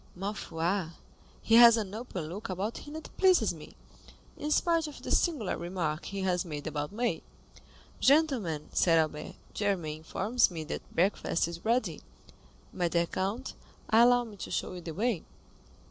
"Ma foi, he has an open look about him that pleases me, in spite of the singular remark he has made about me." "Gentlemen," said Albert, "Germain informs me that breakfast is ready. My dear count, allow me to show you the way."